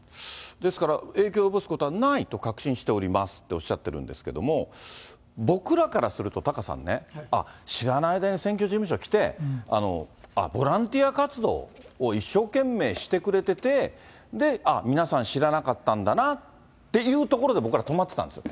ですから、影響を及ぼすことはないと確信しておりますっておっしゃってるんですけれども、僕らからすると、タカさんね、あっ、知らない間に選挙事務所来て、あっ、ボランティア活動を一生懸命してくれてて、ああ、皆さん、知らなかったんだなっていうところで、僕ら止まってたんですよ。